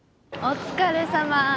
お疲れさま。